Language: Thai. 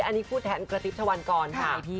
อันนี้พูดแทนกระติ๊บชะวันกรค่ะ